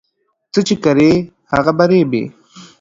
څه چې کرې هغه به ریبې